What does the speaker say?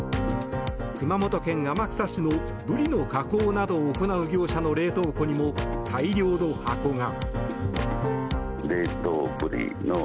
熊本県天草市のブリの加工などを行う業者の冷凍庫にも大量の箱が。